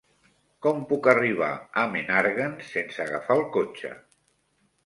Com puc arribar a Menàrguens sense agafar el cotxe?